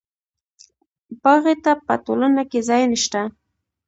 باغي ته په ټولنه کې ځای نشته.